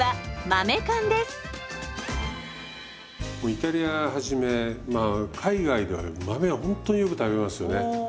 イタリアはじめまあ海外では豆はほんとによく食べますよね。